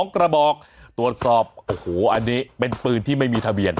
กระบอกตรวจสอบโอ้โหอันนี้เป็นปืนที่ไม่มีทะเบียน